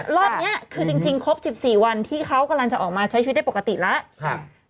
รอบนี้คือจริงครบ๑๔วันที่เขากำลังจะออกมาใช้ชีวิตได้ปกติแล้ว